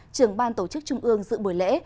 trưởng ban tổ chức trung ương dự buổi lễ